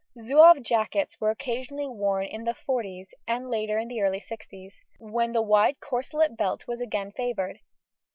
Zouave jackets were occasionally worn in the forties and later in the early sixties, when the wide corselet belt was again favoured.